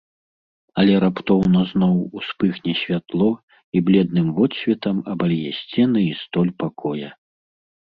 Але раптоўна зноў успыхне святло і бледным водсветам абалье сцены і столь пакоя.